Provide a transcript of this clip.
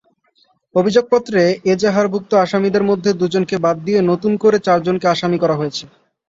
অভিযোগপত্রে এজাহারভুক্ত আসামিদের মধ্যে দুজনকে বাদ দিয়ে নতুন করে চারজনকে আসামি করা হয়েছে।